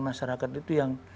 masyarakat itu yang